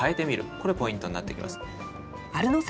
これポイントになってきます。